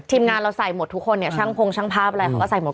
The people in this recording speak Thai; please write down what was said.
ทีมงานเราใส่หมดทุกคนเนี่ยช่างพงช่างภาพอะไรเขาก็ใส่หมด